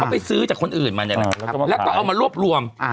เขาไปซื้อจากคนอื่นมันเนี้ยแหละแล้วก็เอามารวบรวมอ่า